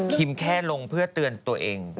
แค่ลงเพื่อเตือนตัวเอง